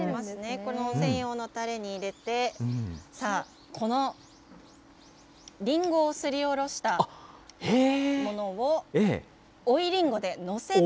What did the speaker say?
この専用のたれに入れて、さあ、このリンゴをすりおろしたものを、追いリンゴで載せて。